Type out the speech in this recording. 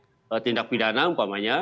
sebagai tindak pidana umpamanya